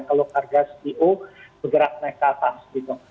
kalau harga cpo bergerak naik ke atas gitu